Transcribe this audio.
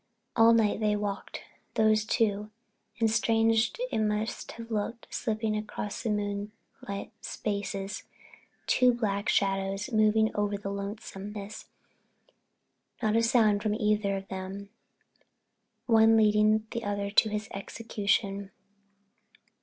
All night they walked, those two—and strange they must have looked slipping across the moonlit spaces, two black shadows moving over the lonesomeness, not a sound from either of them, one leading the other to his execution.